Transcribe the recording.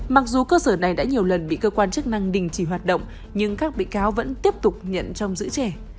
mặc dù cơ sở này đã nhiều lần bị cơ quan chức năng đình chỉ hoạt động nhưng các bị cáo vẫn tiếp tục nhận trong giữ trẻ